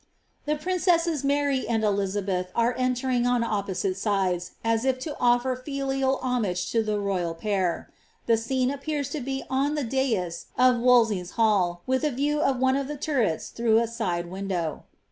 The princesses iMary and Elizabeth arc entering HI opposite sides, as if to offer filial homage to the royal pair. The icene appears to be on the dais of Wolsey's hall, with a view of one if the turrets through a side window.